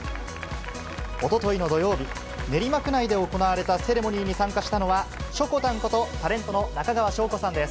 おとといの土曜日、練馬区内で行われたセレモニーに参加したのは、しょこたんこと、タレントの中川翔子さんです。